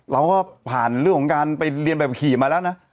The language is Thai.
เราก็ผ่านเรื่องของการไปเรียนแบบขี่มาแล้วนะ